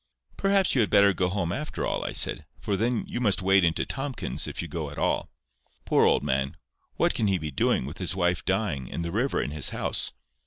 "Perhaps you had better go home, after all," I said; "for you must wade into Tomkins's if you go at all. Poor old man! what can he be doing, with his wife dying, and the river in his house!"